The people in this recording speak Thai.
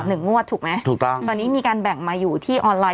หนึ่งงวดถูกไหมถูกต้องตอนนี้มีการแบ่งมาอยู่ที่ออนไลน